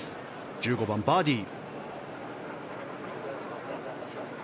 １５番、バーディー。